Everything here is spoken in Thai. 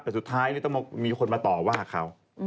แต่สุดท้ายต้องมีคนมาต่อว่าเขา